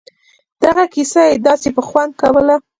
دغه کيسه يې داسې په خوند کوله.